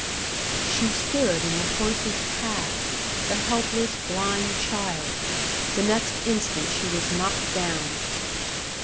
She stood in the horse's path the helpless, blind child. The next instant she was knocked down.